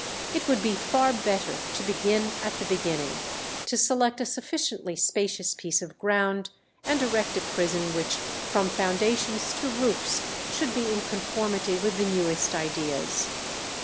It would be far better to begin at the beginning, to select a sufficiently spacious piece of ground, and erect a prison which from foundations to roofs should be in conformity with the newest ideas.